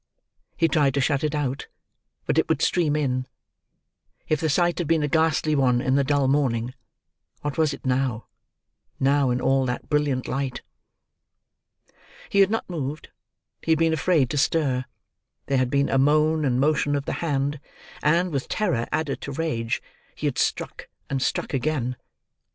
He tried to shut it out, but it would stream in. If the sight had been a ghastly one in the dull morning, what was it, now, in all that brilliant light! He had not moved; he had been afraid to stir. There had been a moan and motion of the hand; and, with terror added to rage, he had struck and struck again.